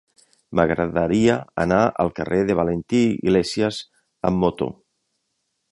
M'agradaria anar al carrer de Valentí Iglésias amb moto.